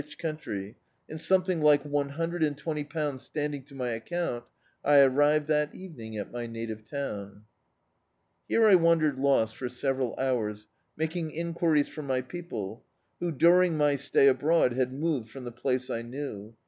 db, Google The Autobiography of a Super Tramp country, and sonething like one hundred and twenty pounds standing to my account, I arrived that even ing at my native town. Here I wandered lost for several hours, making enquiries for my people, who, during my stay abroad, had moved from the place I knew.